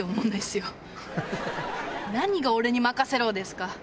何が「俺に任せろ」ですか！